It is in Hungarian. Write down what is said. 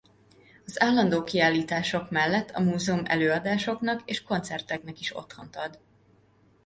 Az állandó kiállítások mellett a múzeum előadásoknak és koncerteknek is otthont ad.